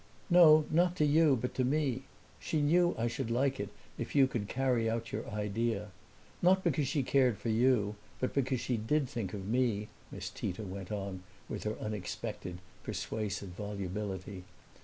"No, not to you but to me. She knew I should like it if you could carry out your idea. Not because she cared for you but because she did think of me," Miss Tita went on with her unexpected, persuasive volubility.